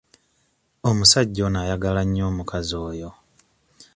Omusajja ono ayagala nnyo omukazi oyo.